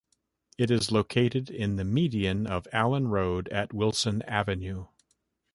It is located in the median of Allen Road at Wilson Avenue.